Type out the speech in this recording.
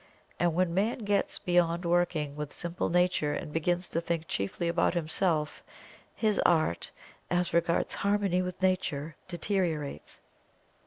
And when Man gets beyond working with simple Nature and begins to think chiefly about himself, his Art, as regards harmony with Nature, deteriorates.